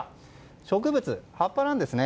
植物の葉っぱなんですね。